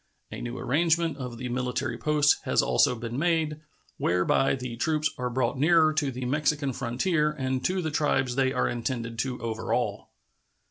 A new arrangement of the military posts has also been made, whereby the troops are brought nearer to the Mexican frontier and to the tribes they are intended to overawe.